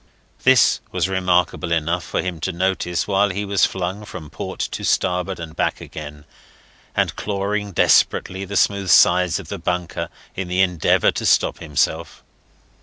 This was remarkable enough for him to notice while he was flung from port to starboard and back again, and clawing desperately the smooth sides of the bunker in the endeavour to stop himself.